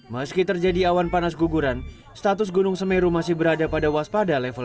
meski terjadi awan panas guguran status gunung semeru masih berada pada waspada level tiga